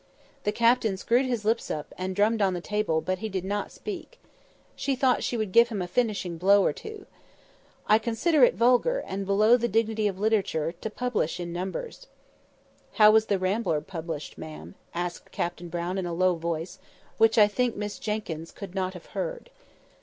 The Captain screwed his lips up, and drummed on the table, but he did not speak. She thought she would give him a finishing blow or two. [Picture: Endeavouring to beguile her into conversation] "I consider it vulgar, and below the dignity of literature, to publish in numbers." "How was the Rambler published, ma'am?" asked Captain Brown in a low voice, which I think Miss Jenkyns could not have heard.